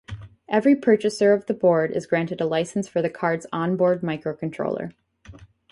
Every purchaser of the board is granted a license for the card's onboard microcontroller.